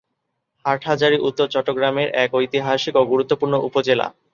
হাটহাজারী উত্তর চট্টগ্রামের এক ঐতিহাসিক ও গুরুত্বপূর্ণ উপজেলা।